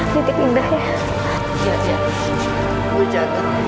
nitip indah ya